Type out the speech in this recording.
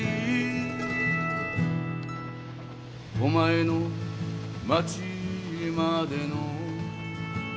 「お前の町までの」